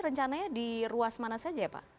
rencananya di ruas mana saja ya pak